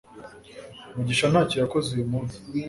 mugisha ntacyo yakoze uyu munsi